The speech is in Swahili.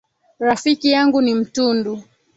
Rafiki yangu ni mtundu.